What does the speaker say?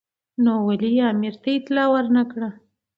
نو ولې یې امیر ته اطلاع ور نه کړه.